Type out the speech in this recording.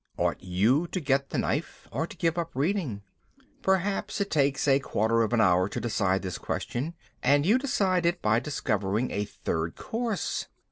Ought you to get the knife or to give up reading? Perhaps it takes a quarter of an hour to decide this question, and you decide it by discovering a third course.